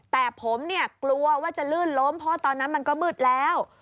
แต่ผมเนี่ยกลัวว่าจะลื่นล้มเพราะตอนนั้นมันก็มืดแล้ว